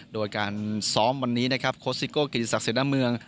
โดยการซ้อมวันนี้นะครับโคสิโกกิจศักดิ์เศรษฐ์เมือง